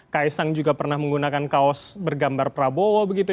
ks sang juga pernah menggunakan kaos bergambar prabowo begitu